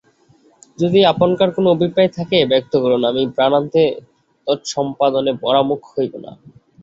যদি আপনকার কোন অভিপ্রায় থাকে ব্যক্ত করুন আমি প্রাণান্তেও তৎসম্পাদনে পরাঙ্মুখ হইব না।